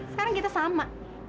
sekarang kita sama